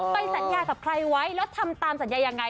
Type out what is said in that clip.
สัญญากับใครไว้แล้วทำตามสัญญายังไง